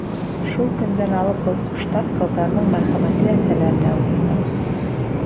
Шул көндән алып был ҡоштар ҡыҙҙарҙың мәрхәмәтле әсәләренә әүерелгән.